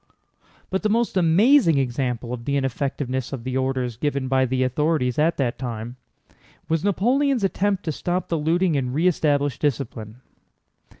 But the most amazing example of the ineffectiveness of the orders given by the authorities at that time was Napoleon's attempt to stop the looting and re establish discipline.